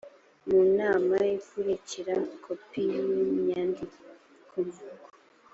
mu nama ikurikira kopi y inyandikomvugo